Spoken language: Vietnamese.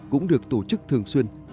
cũng được tổ chức thường xuyên